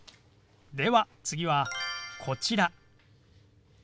では次はこちら。